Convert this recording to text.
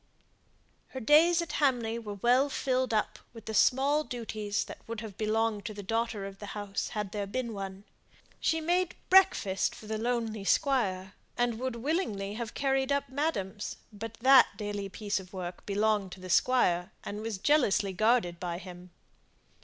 Her days at Hamley were well filled up with the small duties that would have belonged to a daughter of the house had there been one. She made breakfast for the lonely squire, and would willingly have carried up madam's, but that daily piece of work belonged to the squire, and was jealously guarded by him.